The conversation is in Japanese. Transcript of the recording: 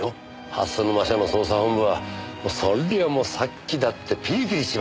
蓮沼署の捜査本部はそりゃもう殺気だってピリピリしちまって。